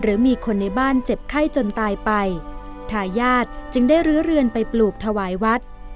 หรือมีคนในบ้านเจ็บไข้จนตายไปทายาทจึงได้รื้อเรือนไปปลูกถวายวัด